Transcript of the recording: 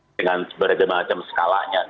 dengan berbagai macam skalanya